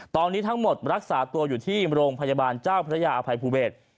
ตอนนี้ทั้งหมดรักษาตัวอยู่ที่โรงพยาบาลเจ้าพระยาอภัยภูเบศ